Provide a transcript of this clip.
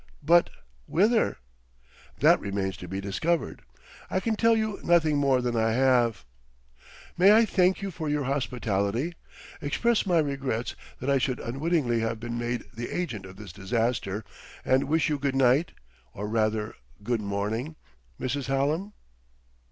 "But whither?" "That remains to be discovered; I can tell you nothing more than I have.... May I thank you for your hospitality, express my regrets that I should unwittingly have been made the agent of this disaster, and wish you good night or, rather, good morning, Mrs. Hallam?"